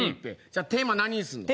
じゃあテーマ何にするの？